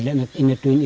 jangan lupa worth